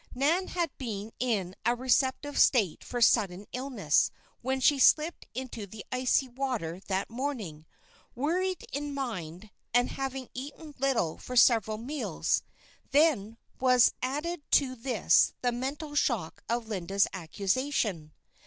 Nan had been in a receptive state for sudden illness when she slipped into the icy water that morning worried in mind, and having eaten little for several meals. Then was added to this the mental shock of Linda's accusation.